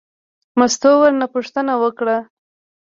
مستو ورنه پوښتنه وکړه.